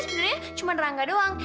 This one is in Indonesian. tapi sebenernya cuma rangga doang